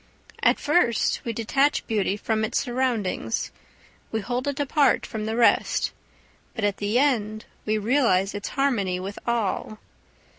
At first we detach beauty from its surroundings, we hold it apart from the rest, but at the end we realise its harmony with all.